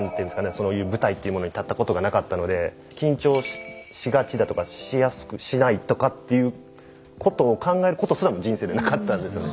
そういう舞台っていうものに立ったことがなかったので緊張しがちだとかしないとかっていうことを考えることすらも人生でなかったんですよね。